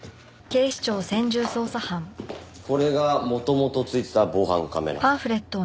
これが元々ついてた防犯カメラ。